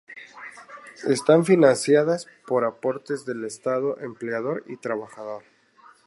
Están financiadas por aportes del Estado, empleador y trabajador.